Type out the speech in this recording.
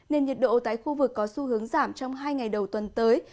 nên nhiệt độ tại khu vực có xu hướng giảm trong hai ngày đầu tuần tới